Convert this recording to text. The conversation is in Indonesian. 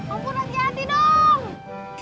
om purhati hati dong